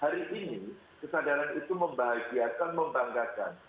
hari ini kesadaran itu membahagiakan membanggakan